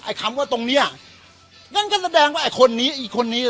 คำว่าตรงเนี้ยงั้นก็แสดงว่าไอ้คนนี้อีกคนนี้เหรอ